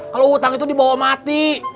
kalau hutang itu dibawa mati